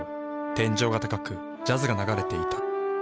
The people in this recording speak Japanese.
天井が高くジャズが流れていた。